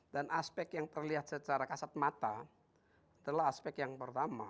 dan aspek yang terlihat secara kasat mata adalah aspek yang pertama